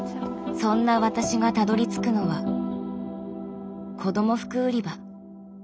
そんな私がたどりつくのは子ども服売り場。